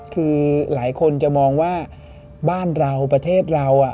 คือหลายคนจะมองว่าบ้านเราประเทศเรา